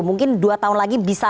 mungkin dua tahun lagi bisa